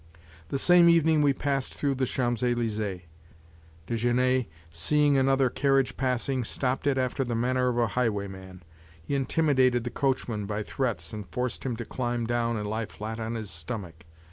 The same evening we passed through the Champs Elysees; Desgenais, seeing another carriage passing, stopped it after the manner of a highwayman; he intimidated the coachman by threats and forced him to climb down and lie flat on his stomach.